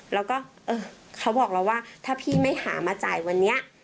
แล้วก็เขาบอกเราว่าถ้าพี่ไม่หามาจ่ายวันนี้